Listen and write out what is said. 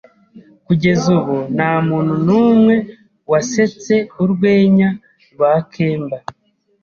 Kugeza ubu, nta muntu numwe wasetse urwenya rwa kemba.